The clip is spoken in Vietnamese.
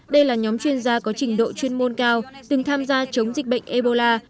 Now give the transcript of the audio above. đây là nhóm chuyên gia có trình độ chuyên môn cao từng tham gia chống dịch bệnh ebola